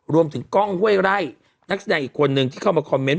รวมถึงก้องเว้ยไร่นักแสดงอีกคนหนึ่งที่เข้ามาคอมเมนต์